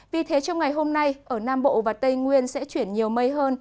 vì thế trong ngày hôm nay ở nam bộ và tây nguyên sẽ chuyển nhiều mây hơn